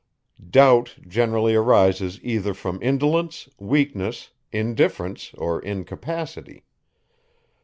Doubt generally arises either from indolence, weakness, indifference, or incapacity.